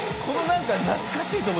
このなんか懐かしい。